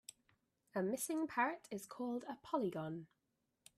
A missing parrot is called a polygon.